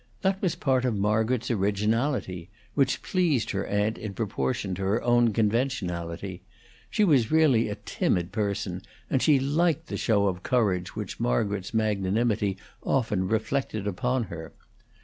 That was part of Margaret's originality, which pleased her aunt in proportion to her own conventionality; she was really a timid person, and she liked the show of courage which Margaret's magnanimity often reflected upon her.